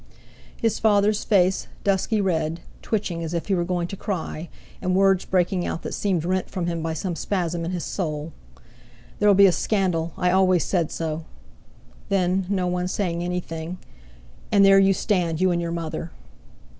His father's face, dusky red, twitching as if he were going to cry, and words breaking out that seemed rent from him by some spasm in his soul. "There'll be a scandal; I always said so." Then, no one saying anything: "And there you stand, you and your mother!"